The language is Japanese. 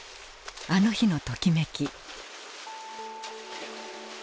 あの日のときめき。